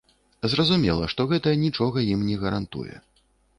Зразумела, што гэта нічога ім не гарантуе.